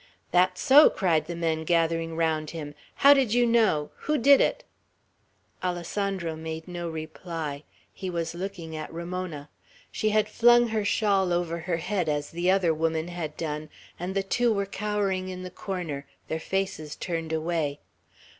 "That's so!" cried the men, gathering around him. "How did you know? Who did it?" Alessandro made no reply. He was looking at Ramona. She had flung her shawl over her head, as the other woman had done, and the two were cowering in the corner, their faces turned away.